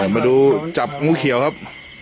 มาดูจับงูเขียวครับ